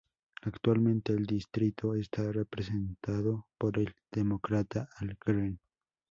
Actualmente el distrito está representado por el Demócrata Al Green.